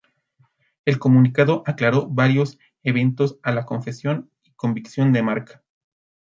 El comunicado aclaró varios eventos a la confesión y convicción de Mark.